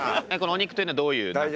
「おにく」というのはどういう考え？